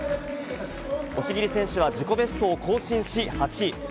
押切選手は自己ベストを更新し、８位。